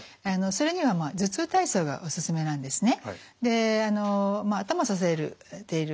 それには頭痛体操がおすすめなんですね。